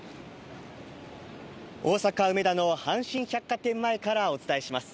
大阪・梅田の阪神百貨店前からお伝えします。